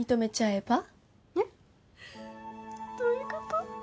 えっ？どういうこと？